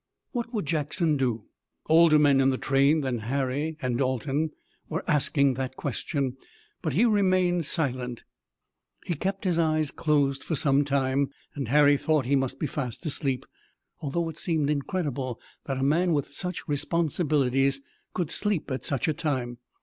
What would Jackson do? Older men in the train than Harry and Dalton were asking that question, but he remained silent. He kept his eyes closed for some time, and Harry thought that he must be fast asleep, although it seemed incredible that a man with such responsibilities could sleep at such a time.